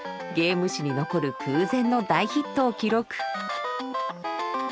ゲーム史に残る空前の大ヒットを記録。